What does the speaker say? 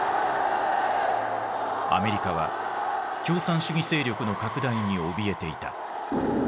アメリカは共産主義勢力の拡大におびえていた。